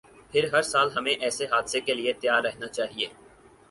پھر ہرسال ہمیں ایسے حادثے کے لیے تیار رہنا چاہیے۔